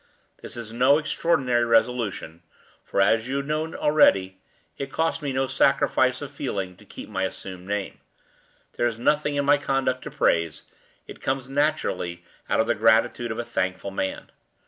This is no extraordinary resolution; for, as you know already, it costs me no sacrifice of feeling to keep my assumed name. There is nothing in my conduct to praise; it comes naturally out of the gratitude of a thankful man.